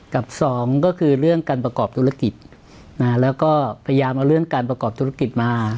กับสองก็คือเรื่องการประกอบธุรกิจแล้วก็พยายามเอาเรื่องการประกอบธุรกิจมา